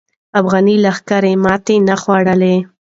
افغاني لښکر ماتې نه خوړله.